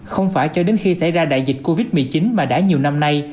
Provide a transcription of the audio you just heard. không phải cho đến khi xảy ra đại dịch covid một mươi chín mà đã nhiều năm nay